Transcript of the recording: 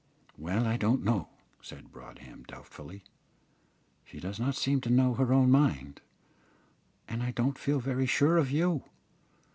"Well, I don't know," said Broadhem, doubtfully; "she does not seem to know her own mind, and I don't feel very sure of you.